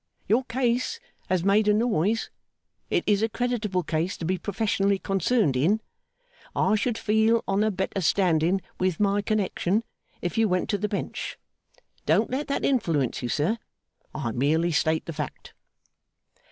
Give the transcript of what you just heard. Your case has made a noise; it is a creditable case to be professionally concerned in; I should feel on a better standing with my connection, if you went to the Bench. Don't let that influence you, sir. I merely state the fact.